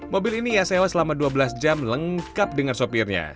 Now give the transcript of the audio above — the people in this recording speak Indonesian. mobil ini ia sewa selama dua belas jam lengkap dengan sopirnya